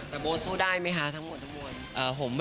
แต่โบ๊ทสู้ได้ไหมคะทั้งหมด